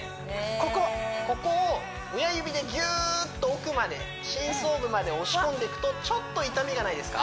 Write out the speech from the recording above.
ここここを親指でギューっと奥まで深層部まで押し込んでいくとちょっと痛みがないですか？